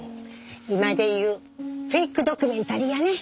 今で言うフェイクドキュメンタリーやね。